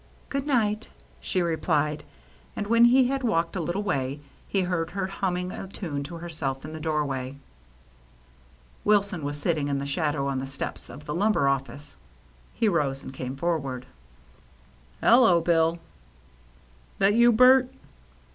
" Good night," she replied. And when he had walked a little way, he heard her humming a tune to herself in the doorway. Wilson was sitting in the shadow on the steps of the lumber office. He rose and came forward. THE RED SEAL LABEL 165 " Hello, Bill !" "That you, Bert?'